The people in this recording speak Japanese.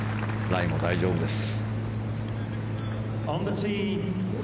ライも大丈夫です。